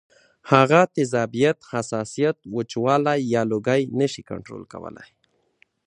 هغه تیزابیت ، حساسیت ، وچوالی یا لوګی نشي کنټرول کولی